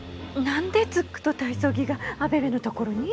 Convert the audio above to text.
何でズックと体操着がアベベの所に？